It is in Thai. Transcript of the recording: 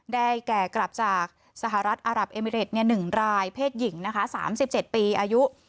ได้แก่กลับจากสหรัฐอารับเอมิเรตน์เนี้ยหนึ่งรายเพศหญิงนะคะสามสิบเจ็ดปีอายุ